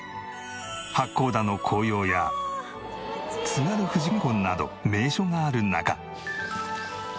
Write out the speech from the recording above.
八甲田の紅葉や津軽富士見湖など名所がある中。